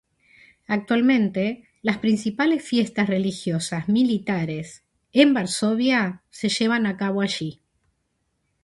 Actualmente las principales fiestas religiosas militares en Varsovia se llevan a cabo allí.